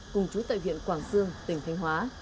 cùng chú tại huyện quảng xương tỉnh thanh hóa